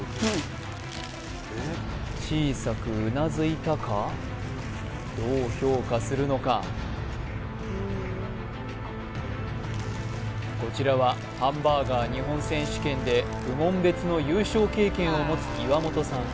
小さくうなずいたかどう評価するのかこちらはハンバーガー日本選手権で部門別の優勝経験をもつ岩元さん